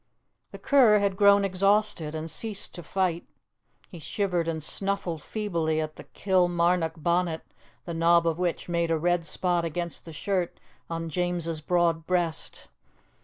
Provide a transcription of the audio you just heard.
The cur had grown exhausted, and ceased to fight; he shivered and snuffled feebly at the Kilmarnock bonnet, the knob of which made a red spot against the shirt on James's broad breast.